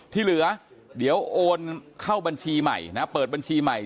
ที่เหลือเดี๋ยวโอนเข้าบัญชีใหม่นะเปิดบัญชีใหม่